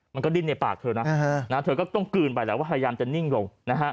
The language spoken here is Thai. มันก็ดิ้นในปากเธอนะเธอก็ต้องกลืนไปแล้วว่าพยายามจะนิ่งลงนะฮะ